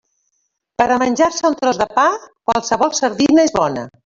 Per a menjar-se un tros de pa, qualsevol sardina és bona.